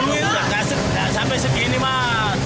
tidak sampai segini pak